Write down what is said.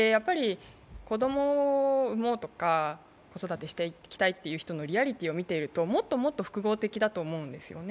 子供を産もうとか、子育てしていきたいという人のリアリティーを見ていると、もっともっと複合的だと思うんですよね。